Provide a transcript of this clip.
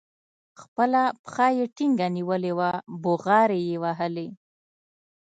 خپله پښه يې ټينګه نيولې وه بوغارې يې وهلې.